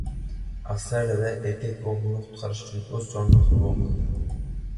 Avstraliyada erkak o‘g‘lini qutqarish uchun o‘z jonini qurbon qildi